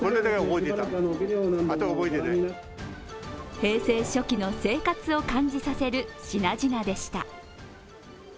平成初期の生活を感じさせる品々でした。